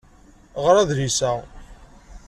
Ɣer adlis-a.